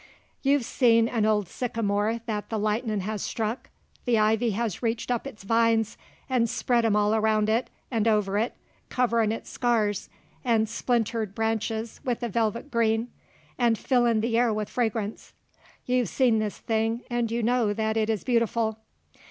You've seen an old sycamore that the lightnin' has struck; the ivy has reached up its vines 'nd spread 'em all around it 'nd over it, coverin' its scars 'nd splintered branches with a velvet green 'nd fillin' the air with fragrance. You've seen this thing and you know that it is beautiful.